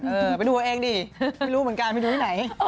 เออไปดูเอาเองดิไม่รู้เหมือนกันไปดูที่ไหน